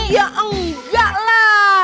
ya enggak lah